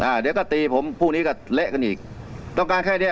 อ่าเดี๋ยวก็ตีผมพรุ่งนี้ก็เละกันอีกต้องการแค่เนี้ย